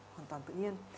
hoàn toàn tự nhiên